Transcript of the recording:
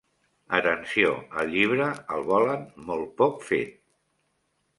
Atenció, el llibre el volen molt poc fet.